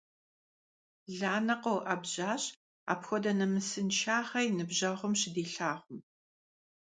Ланэ къэуӀэбжьащ, апхуэдэ нэмысыншагъэ и ныбжьэгъум щыдилъагъум.